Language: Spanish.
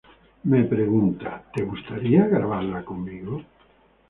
Él me pregunta '¿Te gustaría grabarla conmigo?